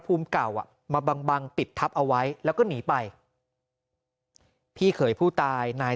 ภูมิเก่าอ่ะมาบังบังปิดทับเอาไว้แล้วก็หนีไปพี่เขยผู้ตายนาย